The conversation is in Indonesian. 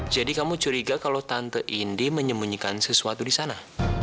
jadi kamu curiga kalau tante indi menyembunyikan sesuatu di sana